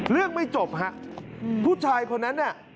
เรื่องไม่จบครับผู้ชายคนนั้น